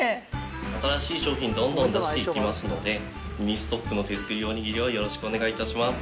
新しい商品をどんどん出していきますので、ミニストップの手作りおにぎりをよろしくお願いいたします。